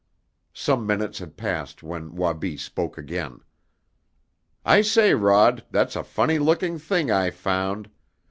Some minutes had passed when Wabi spoke again. "I say, Rod, that's a funny looking thing I found!